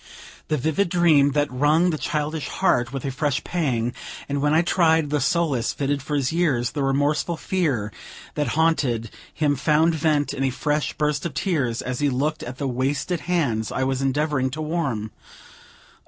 The vivid dream had wrung the childish heart with a fresh pang, and when I tried the solace fitted for his years, the remorseful fear that haunted him found vent in a fresh burst of tears, as he looked at the wasted hands I was endeavoring to warm: "Oh!